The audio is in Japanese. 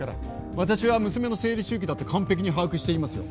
私は娘の生理周期だって完璧に把握していますよ。